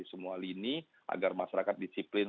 semua hal ini agar masyarakat disiplin